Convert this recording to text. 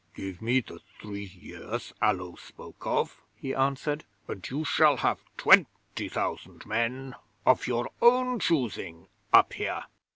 '"Give me the three years Allo spoke of," he answered, "and you shall have twenty thousand men of your own choosing up here.